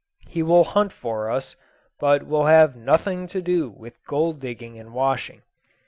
He will hunt for us, but will have nothing to do with gold digging and washing.